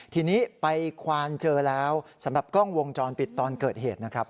ทีนี้ไปควานเจอแล้วสำหรับกล้องวงจรปิดตอนเกิดเหตุนะครับ